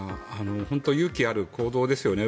本当に勇気ある行動ですよね。